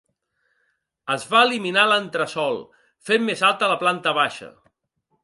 Es va eliminar l'entresòl fent més alta la planta baixa.